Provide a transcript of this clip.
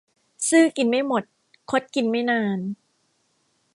ซื่อกินไม่หมด คดกินไม่นาน